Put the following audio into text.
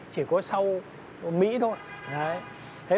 chỉ có sau mỹ thôi